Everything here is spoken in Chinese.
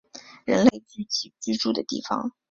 人类聚集居住的地方